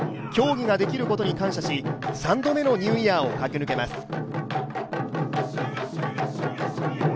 競技ができることに感謝し３度目のニューイヤーを駆け抜けます。